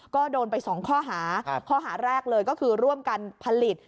ก็โดนไป๒ข้อหาข้อหาแรกเลยก็คือร่วมกันผลิต